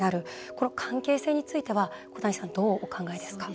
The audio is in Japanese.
この関係性については小谷さん、どうお考えですか。